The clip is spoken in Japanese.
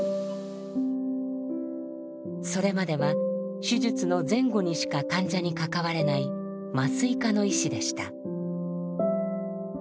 それまでは手術の前後にしか患者に関われない麻酔科の医師でした。